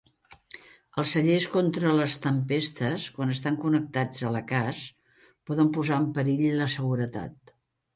Els cellers contra les tempestes, quan estan connectats a la cas, poden posar en perill la seguretat.